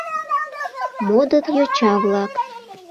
Модыт йоча-влак